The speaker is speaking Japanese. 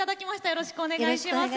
よろしくお願いします。